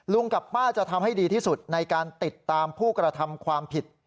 กับป้าจะทำให้ดีที่สุดในการติดตามผู้กระทำความผิด